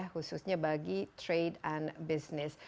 khususnya bagi trade un business